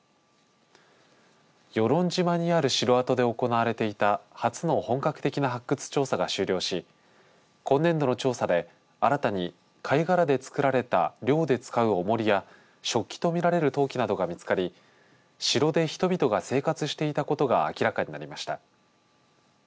与論島にある城跡で行われていた初の本格的な発掘調査が終了し今年度の調査で、新たに貝殻で作られた漁で使うおもりや食器と見られる陶器などが見つかり城で人々が生活していたことが明らかになりました。